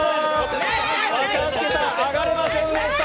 若槻さん、あがれませんでした。